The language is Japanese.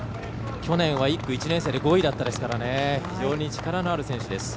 去年は１区１年生で５位でしたから非常に力のある選手です。